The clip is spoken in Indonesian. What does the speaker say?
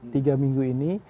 tiga minggu ini